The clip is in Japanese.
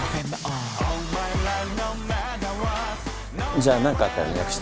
じゃあ何かあったら連絡して。